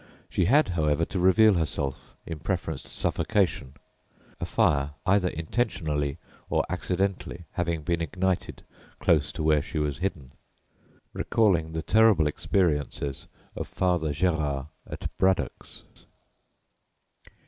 She had, however, to reveal herself in preference to suffocation, a fire, either intentionally or accidentally, having been ignited close to where she was hidden, recalling the terrible experiences of Father Gerard at "Braddocks."